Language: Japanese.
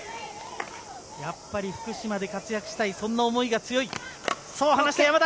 やっぱり福島で活躍したいそんな思いが強いそう話した山田！